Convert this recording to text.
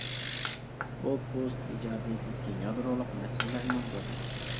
بۇ پوۋېست ئىجادىيىتىدىكى يادرولۇق مەسىلىلەرنىڭ بىرى.